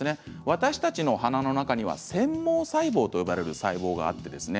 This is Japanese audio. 私たちの鼻の中には繊毛細胞と呼ばれる細胞があります。